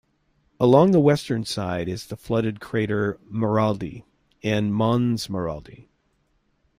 Along the western side is the flooded crater Maraldi and Mons Maraldi.